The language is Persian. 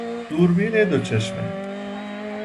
دوربین دوچشمه